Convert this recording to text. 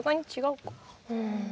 うん。